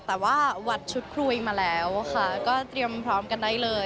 แต่ว่าวัดชุดคุยมาแล้วค่ะก็เตรียมพร้อมกันได้เลย